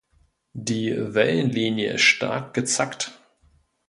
Die Wellenlinie ist stark gezackt.